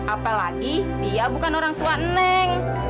apalagi dia bukan orang tua neng